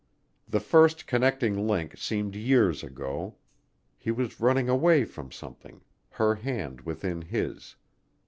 The first connecting link seemed years ago, he was running away from something, her hand within his.